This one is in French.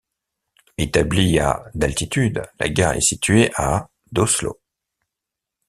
Etablie à d'altitude, la gare est située à d'Oslo.